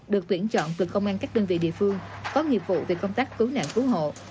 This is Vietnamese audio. được tuyển chọn từ công an các đơn vị địa phương có nghiệp vụ về công tác cứu nạn cứu hộ